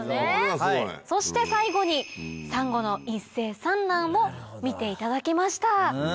そして最後にサンゴの一斉産卵を見ていただきました。